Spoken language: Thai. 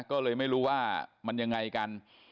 ก็เลยไม่รู้ว่ามันยังไงกัน